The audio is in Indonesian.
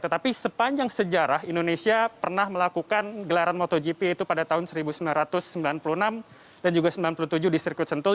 tetapi sepanjang sejarah indonesia pernah melakukan gelaran motogp yaitu pada tahun seribu sembilan ratus sembilan puluh enam dan juga seribu sembilan ratus sembilan puluh tujuh di sirkuit sentul